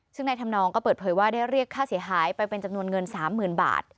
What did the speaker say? ซึ่งนายธรรมนองก็เปิดเผยว่าได้เรียกค่าเสียหายไปเป็นจำนวนเงิน๓๐๐๐บาท